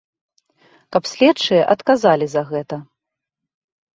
Каб следчыя адказалі за гэта.